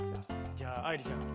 じゃあ愛理ちゃん。